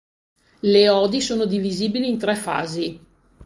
Le "Odi" sono divisibili in tre fasi.